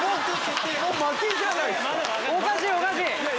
おかしいおかしい！